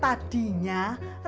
tidak ada apa apa